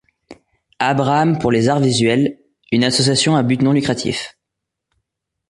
Abraham pour les Arts visuels, une association à but non lucratif.